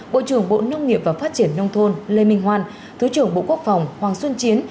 bộ trưởng bộ nông nghiệp và phát triển nông thôn lê minh hoan thứ trưởng bộ quốc phòng hoàng xuân chiến